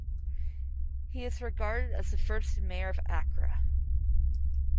He is regarded as the first Mayor of Accra.